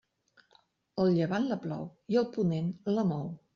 El llevant la plou i el ponent la mou.